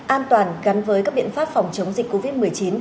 an toàn gắn với các biện pháp phòng chống dịch covid một mươi chín